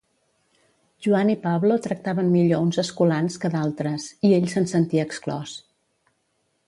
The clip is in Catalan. Joan i Pablo tractaven millor uns escolans que d'altres, i ell se'n sentia exclòs.